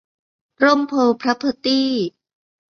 ร่มโพธิ์ พร็อพเพอร์ตี้